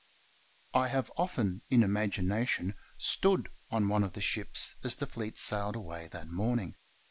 I have often, in imagination, stood on one of the ships as the fleet sailed away that morning.